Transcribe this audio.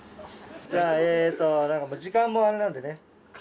じゃあえっと時間もあれなんでね。